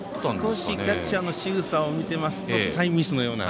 少し、キャッチャーのしぐさを見ていますとサインミスのような。